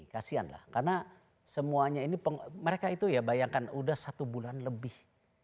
kasian lah karena semuanya ini mereka itu ya bayangkan udah satu bulan lebih